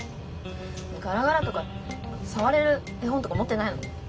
ガラガラとか触れる絵本とか持ってないの？